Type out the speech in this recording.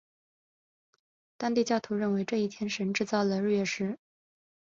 当地教徒认为这一天神制造了日月食。